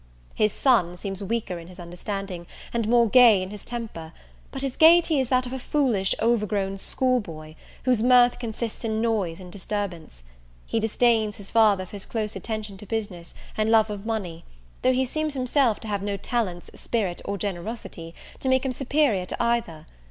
His son seems weaker in his understanding, and more gay in his temper; but his gaiety is that of a foolish, overgrown school boy, whose mirth consists in noise and disturbance. He disdains his father for his close attention to business, and love of money; though he seems himself to have no talents, spirit, or generosity, to make him superior to either.